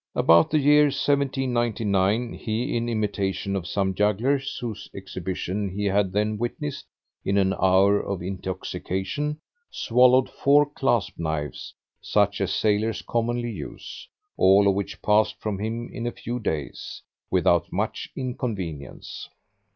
About the year 1799 he, in imitation of some jugglers whose exhibition he had then witnessed, in an hour of intoxication, swallowed four clasp knives such as sailors commonly use; all of which passed from him in a few days without much inconvenience.